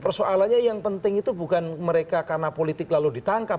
persoalannya yang penting itu bukan mereka karena politik lalu ditangkap